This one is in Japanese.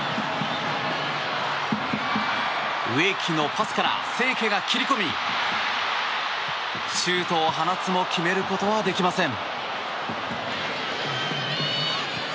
植木のパスから清家が切り込みシュートを放つも決めることはできません。